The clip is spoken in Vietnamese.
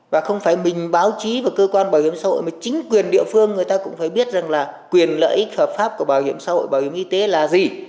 và không phải mình báo chí và cơ quan bảo hiểm xã hội mà chính quyền địa phương người ta cũng phải biết rằng là quyền lợi ích hợp pháp của bảo hiểm xã hội bảo hiểm y tế là gì